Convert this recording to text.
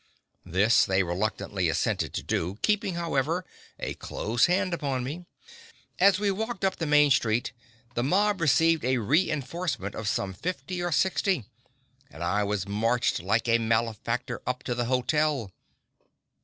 This they reluctantly assented to, keeping, however, a close hand upon me. As we walked up the main street, the mob received a re enforcement of some fifty or sixty, and I was marched like a malefactor up to the hotel.